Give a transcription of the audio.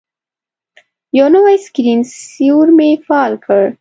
یو نوی سکرین سیور مې فعال کړ.